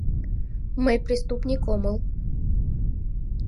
— «Мый преступник омыл.